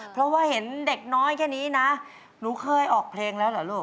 เพราะว่าเห็นเด็กน้อยแค่นี้นะหนูเคยออกเพลงแล้วเหรอลูก